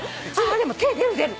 でも手出る出る。